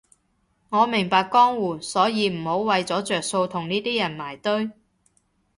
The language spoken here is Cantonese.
我明白江湖，所以唔好為咗着數同呢啲人埋堆